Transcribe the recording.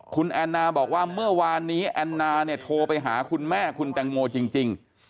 คุณแอนนาบอกว่าเมื่อวานนี้แอนนาเนี่ยโทรไปหาคุณแม่คุณแตงโมจริง